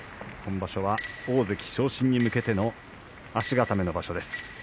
今場所は大関昇進に向けての足固めの場所です。